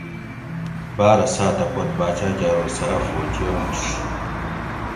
باۤرہ ساۤتہ پت باچاۤ کہ ارو سہ ا فوجی آش